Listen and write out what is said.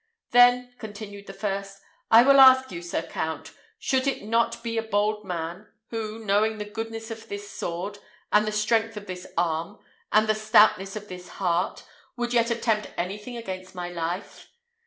"Then," continued the first, "I will ask you, sir count, should it not be a bold man, who, knowing the goodness of this sword, and the strength of this arm, and the stoutness of this heart, would yet attempt anything against my life?